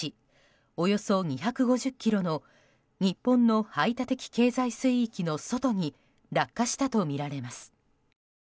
およそ２５０ｋｍの日本の排他的経済水域の外に落下したとみられます。